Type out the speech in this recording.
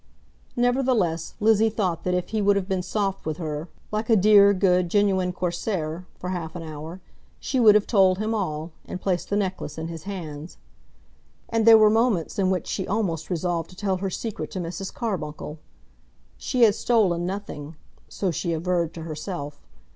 Nevertheless Lizzie thought that if he would have been soft with her, like a dear, good, genuine Corsair, for half an hour, she would have told him all, and placed the necklace in his hands. And there were moments in which she almost resolved to tell her secret to Mrs. Carbuncle. She had stolen nothing; so she averred to herself.